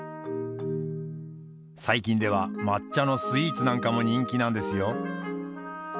最近では抹茶のスイーツなんかも人気なんですよ。